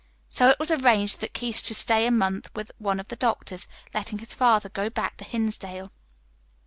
So it was arranged that Keith should stay a month with one of the doctors, letting his father go back to Hinsdale.